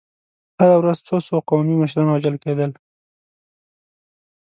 هره ورځ څو څو قومي مشران وژل کېدل.